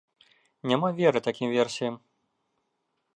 Няма веры такім версіям.